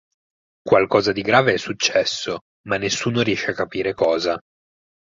Qualcosa di grave è successo, ma nessuno riesce a capire cosa.